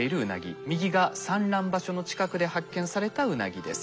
右が産卵場所の近くで発見されたウナギです。